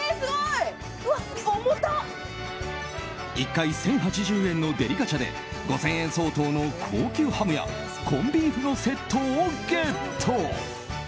１回１０８０円のデリガチャで５０００円相当の高級ハムやコンビーフのセットをゲット。